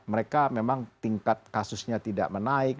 mereka memang tingkat kasusnya tidak menaik